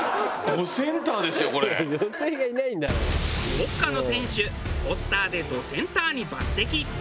クオッカの店主ポスターでどセンターに抜擢。